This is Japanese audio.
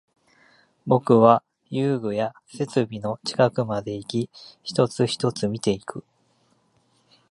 僕は遊具や設備の近くまでいき、一つ、一つ見ていく